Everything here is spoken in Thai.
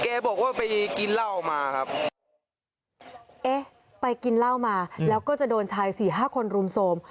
เอ๊ะไปกินเหล้ามาแล้วก็จะโดนชาย๔๕คนรุมโทรม